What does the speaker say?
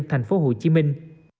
thành phố hồ chí minh